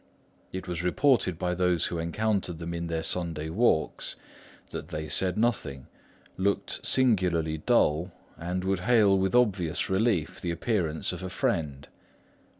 It was reported by those who encountered them in their Sunday walks, that they said nothing, looked singularly dull and would hail with obvious relief the appearance of a friend.